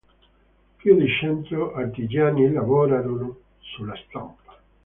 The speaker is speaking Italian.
Più di cento artigiani lavorarono sulla stampa.